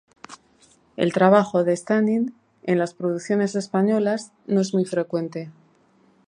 El trabajo de "stand-in" en las producciones españolas no es muy frecuente.